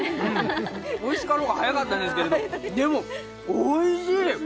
おいしかろ？が早かったですけど、でもおいしい！